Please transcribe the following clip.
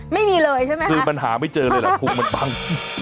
ไม่มีเลยใช่ไหมคือมันหาไม่เจอเลยแหละพุงมันปัง